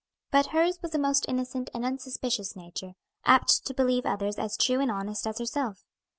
But hers was a most innocent and unsuspicious nature, apt to believe others as true and honest as herself.